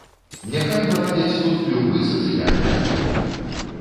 Няхай наладзяць тут любы сацыяльны аб'ект.